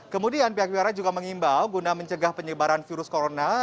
kemudian pihak wira juga mengimbau guna mencegah penyebaran virus corona